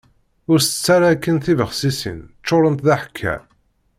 Ur tett ara akken tibexsisin, ččurent d aḥekka.